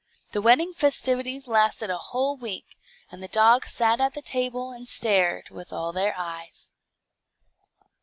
The wedding festivities lasted a whole week, and the dogs sat at the table, and stared with all their eyes.